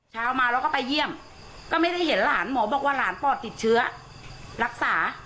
เช้ามาเราก็ไปเยี่ยมก็ไม่ได้เห็นหลานหมอบอกว่าหลานปอดติดเชื้อรักษา